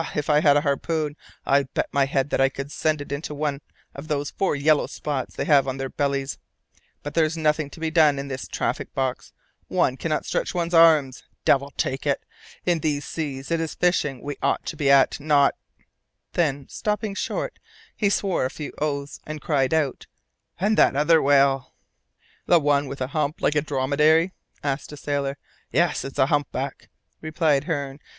if I had a harpoon, I bet my head that I could send it into one of the four yellow spots they have on their bodies. But there's nothing to be done in this traffic box; one cannot stretch one's arms. Devil take it! In these seas it is fishing we ought to be at, not " Then, stopping short, he swore a few oaths, and cried out, "And that other whale!" "The one with a hump like a dromedary?" asked a sailor. "Yes. It is a humpback," replied Hearne.